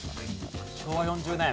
昭和４０年。